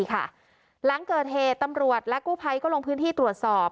หลังเกิดเหตุตำรวจและกู้ภัยก็ลงพื้นที่ตรวจสอบ